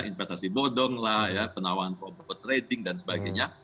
investasi bodong lah ya penawaran robot trading dan sebagainya